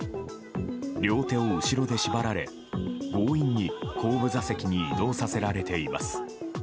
両手を後ろで縛られ、強引に後部座席に移動させられています。